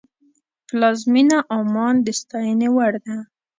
پلازمینه عمان د ستاینې وړ ده.